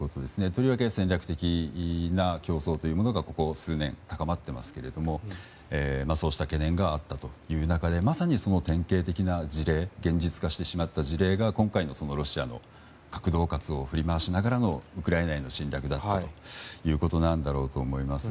とりわけ戦略的な競争というものがここ数年高まっていますけどもそうした懸念があったという中でまさにその典型的な事例現実化してしまった事例が今回の、ロシアの核恫喝を振り回しながらのウクライナへの侵略だったということだろうと思います。